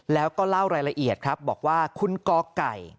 แล้วก็เล่ารายละเอียดครับบอกว่าคุณกไก่